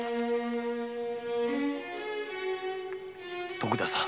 徳田さん